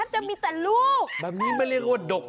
โด๊กโด๊ก